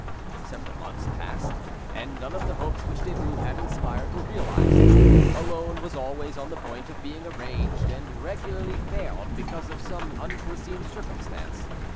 Several months passed, and none of the hopes which Derues had inspired were realised; a loan was always on the point of being arranged, and regularly failed because of some unforeseen circumstance.